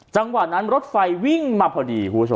จังหวัดนั้นรถไฟวิ่งมาพอดี